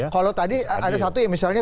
kalau tadi ada satu yang misalnya